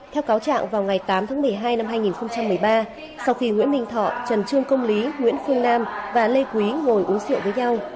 theo cáo trạng vào ngày tám tháng một mươi hai năm hai nghìn một mươi ba sau khi nguyễn minh thọ trần trương công lý nguyễn phương nam và lê quý ngồi uống rượu với nhau